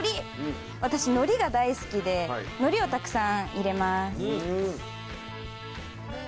私海苔が大好きで海苔をたくさん入れます。